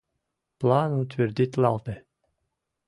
План утвердитлалте.